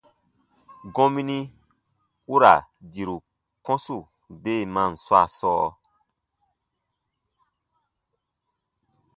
Gɔmini u ra diru kɔ̃su deemaan swaa sɔɔ,